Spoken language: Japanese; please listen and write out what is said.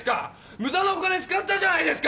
ムダなお金使ったじゃないですか！